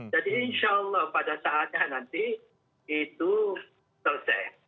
jadi insya allah pada saatnya nanti itu selesai